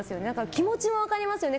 気持ちも分かりますよね。